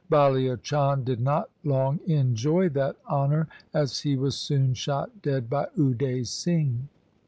Balia Chand did not long enjoy that honour, as he was soon shot dead by Ude Singh.